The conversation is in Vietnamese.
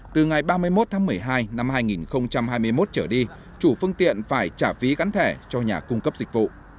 từ ngày ba mươi một tháng một mươi hai năm hai nghìn hai mươi một trở đi chủ phương tiện phải trả phí gắn thẻ cho nhà cung cấp dịch vụ